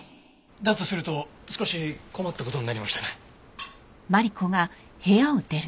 だとすると少し困った事になりましたね。